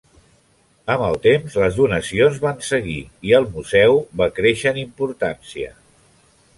Amb el temps les donacions van seguir i el museu va créixer en importància.